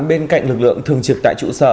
bên cạnh lực lượng thường trực tại trụ sở